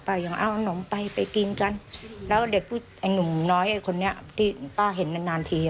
ยังเอานมไปไปกินกันแล้วเด็กผู้ไอ้หนุ่มน้อยไอ้คนนี้ที่ป้าเห็นนานนานที